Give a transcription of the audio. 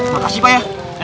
makasih pak ya